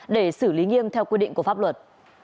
để xử lý nghiêm theo quy định của pháp luật